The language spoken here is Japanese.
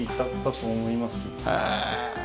へえ。